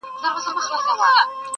o شب ګیرو راته سرې کړي ستا له لاسه,